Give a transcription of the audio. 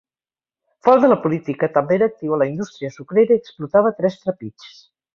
Fora de la política també era actiu a la indústria sucrera i explotava tres trapigs.